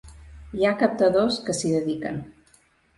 Hi ha captadors que s’hi dediquen.